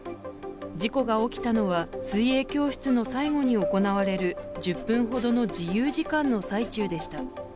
事故が起きたのは水泳教室の最後に行われる１０分ほどの自由時間の最中でした。